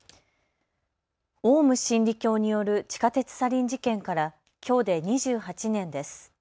オウム真理教による地下鉄サリン事件からきょうで２８年です。